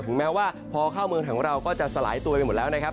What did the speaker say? แม้ว่าพอเข้าเมืองของเราก็จะสลายตัวไปหมดแล้วนะครับ